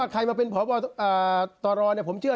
ใครมาเป็นพบตรตอรณ์เนี่ยผมเชื่อ